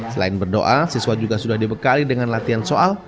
selain berdoa siswa juga sudah dibekali dengan latihan soal